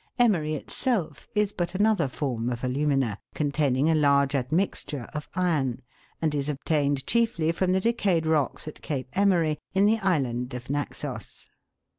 Emery itself is but another form of alumina, containing a large admixture of iron, and is obtained chiefly from the decayed rocks at Cape Emeri, in the island of Naxos.